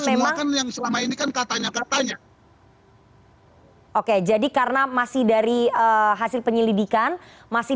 memang yang selama ini kan katanya katanya hai oke jadi karena masih dari hasil penyelidikan masih